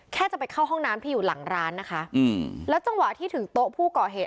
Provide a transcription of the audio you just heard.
แค่จะไปเข้าห้องน้ำที่อยู่หลังร้านนะคะอืมแล้วจังหวะที่ถึงโต๊ะผู้ก่อเหตุ